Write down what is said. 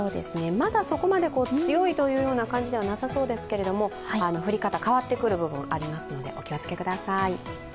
まだそこまで強いというような感じではなさそうですけど降り方、変わってくる部分ありますのでお気をつけください。